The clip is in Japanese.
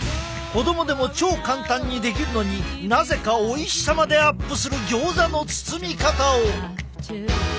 子供でも超簡単にできるのになぜかおいしさまでアップするギョーザの包み方を！